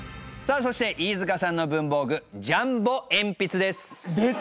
そして飯塚さんの文房具ジャンボ鉛筆ですデカ！